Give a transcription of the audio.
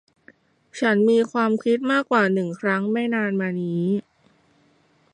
ฉันมีความคิดมากกว่าหนึ่งครั้งไม่นานมานี้